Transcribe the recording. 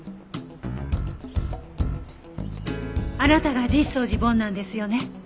あなたが実相寺梵なんですよね？